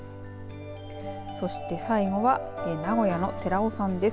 そして最後は名古屋の寺尾さんです。